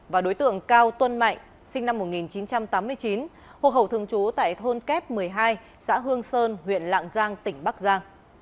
và đối tượng cao tuân mạnh sinh năm một nghìn chín trăm tám mươi chín hộ khẩu thường trú tại thôn kép một mươi hai xã hương sơn huyện lạng giang tỉnh bắc giang